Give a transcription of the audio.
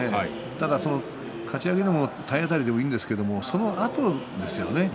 ただかち上げでも体当たりでもいいんですけどそのあとですよね